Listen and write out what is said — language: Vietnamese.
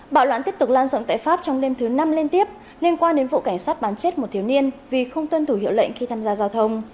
bạo loạn tiếp tục lan rộng tại pháp trong đêm thứ năm liên tiếp liên quan đến vụ cảnh sát bắn chết một thiếu niên vì không tuân thủ hiệu lệnh khi tham gia giao thông